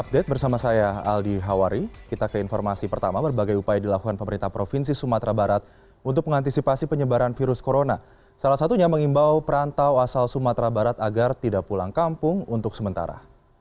gubernur sumatera barat irwan prayitno meminta perantau asal sumatera barat tidak pulang kampung untuk sementara